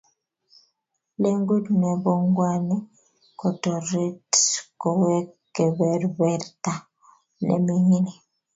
Lengut nebo ngweny kotoret kowek kebeberta ne mingin.